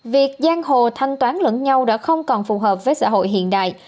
việc giang hồ thanh toán lẫn nhau đã không còn phù hợp với xã hội hiện đại